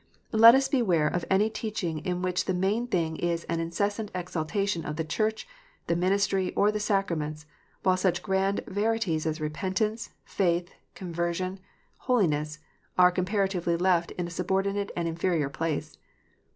Let us beware of any teaching in which the main thing is an incessant exaltation of the Church, the ministry, or the sacraments, while such grand verities as repentance, faith, conversion, holiness, are comparat ively left in a subordinate and inferior place.